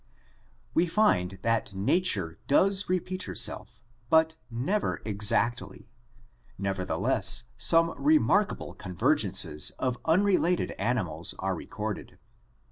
We find that nature does repeat herself, but never exactly, nevertheless some remarkable convergences of un related animals are recorded.